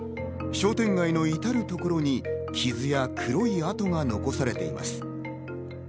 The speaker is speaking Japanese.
商店街のいたるところに傷や黒い跡が残されています。